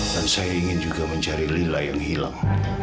dan saya ingin juga mencari lila yang hilang